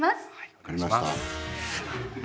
わかりました。